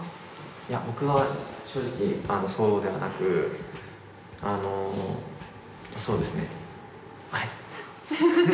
いや僕は正直そうではなくあのそうですねはいハハハ